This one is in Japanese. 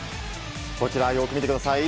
こちら、よく見てください。